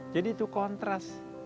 jadi itu kontras